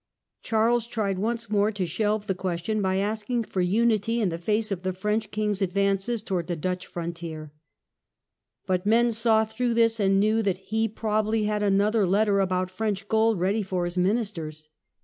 Charles tried once more to shelve the question by asking for Rejection of Unity in the face of the French king's advances the Bill. towards the Dutch frontier. But men saw through this, and knew that he probably had another letter about French gold ready for his ministers.